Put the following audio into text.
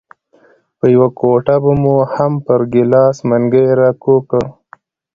په یوه ګوته به مو هم پر ګیلاس منګی راکوږ کړ.